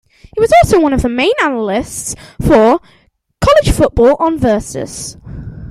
He was also one of the main analysts for "College Football on Versus".